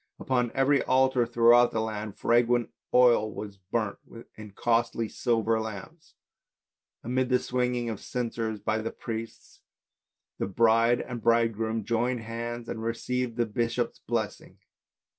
Upon every altar throughout the land fragrant oil was burnt in costly silver lamps. Amidst the swinging of censers by the priests, the bride and bridegroom joined hands and received the bishop's blessing.